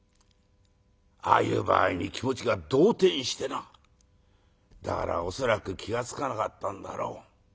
ああいう場合に気持ちが動転してなだから恐らく気が付かなかったんだろう。